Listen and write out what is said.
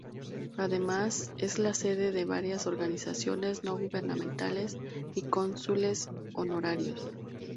Además es la sede de varias organizaciones no gubernamentales y cónsules honorarios.